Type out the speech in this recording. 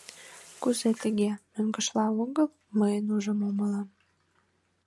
— Кузе тыге — мӧҥгешла огыл? — мый ыжым умыло.